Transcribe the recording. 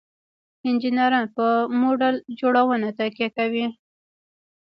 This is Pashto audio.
انجینران په موډل جوړونه تکیه کوي.